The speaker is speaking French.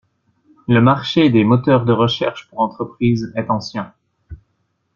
Le marché des moteurs de recherche pour entreprise est ancien.